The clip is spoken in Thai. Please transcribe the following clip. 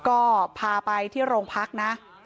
ก็พาไปที่โรงพักนะ